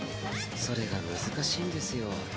それが難しいんですよ。